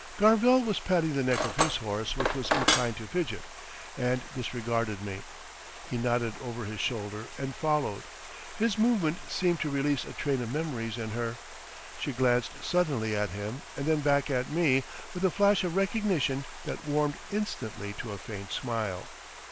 Garvell was patting the neck of his horse, which was inclined to fidget, and disregarding me. He nodded over his shoulder and followed. His movement seemed to release a train of memories in her. She glanced suddenly at him and then back at me with a flash of recognition that warmed instantly to a faint smile.